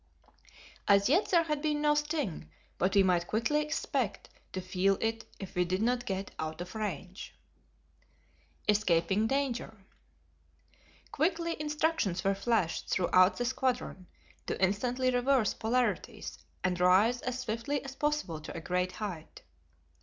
As yet there had been no sting, but we might quickly expect to feel it if we did not get out of range. Escaping Danger. Quickly instructions were flashed throughout the squadron to instantly reverse polarities and rise as swiftly as possible to a great height.